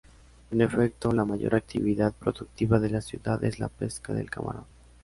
En efecto, la mayor actividad productiva de la ciudad es la pesca del camarón.